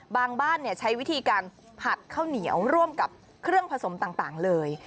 บ้านใช้วิธีการผัดข้าวเหนียวร่วมกับเครื่องผสมต่างเลย